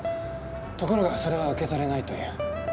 ところがそれは受け取れないという。